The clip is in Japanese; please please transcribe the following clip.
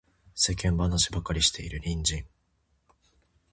世間話ばかりしている隣人